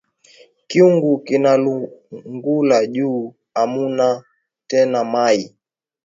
Kyungu kina lungula ju amuna tena mayi